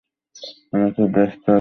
আমি খুব ব্যস্থ আছি।